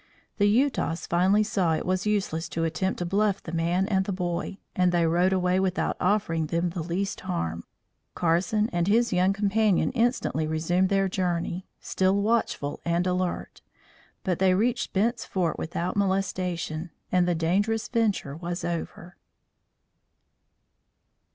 The Utahs finally saw it was useless to attempt to bluff the man and boy, and they rode away without offering them the least harm. Carson and his young companion instantly resumed their journey, still watchful and alert; but they reached Bent's Fort without molestation, and the dangerous venture was over.